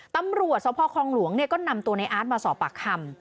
ตำรวจสพคลองหลวงก็นำตัวในอาร์ตมาสอบปากคำ